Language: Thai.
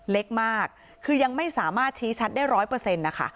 เล็กมากคือยังไม่สามารถชี้ชัดได้ร้อยเปอร์เซ็นต์นะคะ